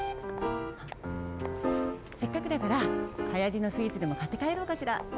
せっかくだからはやりのスイーツでもかってかえろうかしら。